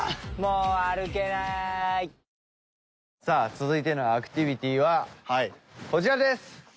さあ続いてのアクティビティーはこちらです。